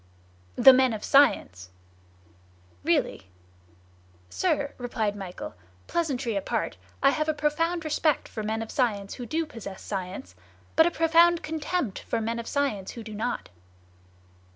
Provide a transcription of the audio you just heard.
"The men of science." "Really?" "Really." "Sir," replied Michel, "pleasantry apart, I have a profound respect for men of science who do possess science, but a profound contempt for men of science who do not."